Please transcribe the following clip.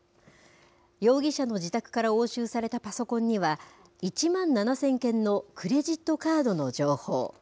容疑者の自宅から押収されたパソコンには、１万７０００件のクレジットカードの情報。